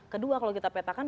kedua kalau kita petakan